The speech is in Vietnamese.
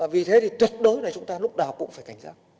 vì thế thì tuyệt đối là chúng ta lúc nào cũng phải cảnh giác